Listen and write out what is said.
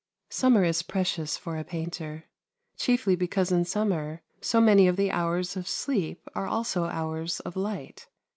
Summer is precious for a painter, chiefly because in summer so many of the hours of sleep are also hours of light.